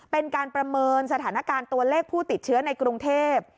เป็นการประเมินสถานการณ์ตัวเลขผู้ติดเชื้อในกรุงเทพ